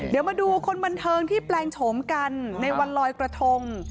เดี๋ยวมาดูคนบันเทิงที่แปลงโฉมกันในวันลอยกระทง